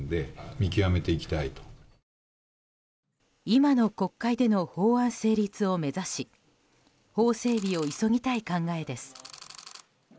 今の国会での法案成立を目指し法整備を急ぎたい考えです。